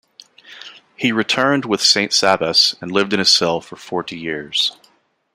He returned with Saint Sabas and lived in his cell for forty years.